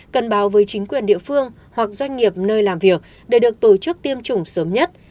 cần báo với chính quyền địa phương hoặc doanh nghiệp nơi làm việc để được tổ chức tiêm chủng sớm nhất